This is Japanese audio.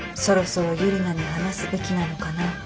そろそろユリナに話すべきなのかな。